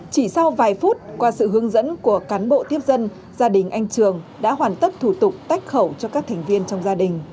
chỉ sau vài phút qua sự hướng dẫn của cán bộ tiếp dân gia đình anh trường đã hoàn tất thủ tục tách khẩu cho các thành viên trong gia đình